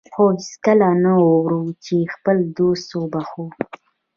خو هېڅکله نه اورو چې خپل دوست وبخښو.